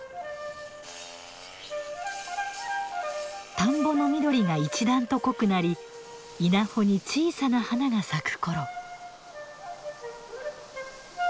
田んぼの緑が一段と濃くなり稲穂に小さな花が咲く頃。